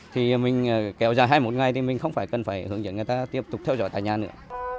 thì mình kéo dài hai mươi một ngày thì mình không phải cần phải hướng dẫn người ta tiếp tục theo dõi tại nhà nữa